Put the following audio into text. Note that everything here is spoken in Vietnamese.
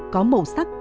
có màu sắc